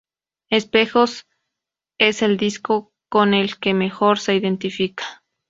Espejos es el disco con el que mejor se identifica.